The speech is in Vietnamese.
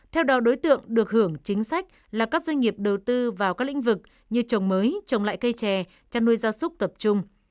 theo đó đối tượng được hưởng chính sách là các doanh nghiệp đầu tư vào các lĩnh vực như trồng mới trồng lại cây trè chăn nuôi gia súc tập trung